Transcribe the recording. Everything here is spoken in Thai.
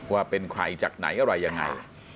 ว่าเป็นใครจากไหนอะไรยังไง